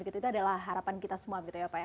itu adalah harapan kita semua gitu ya pak ya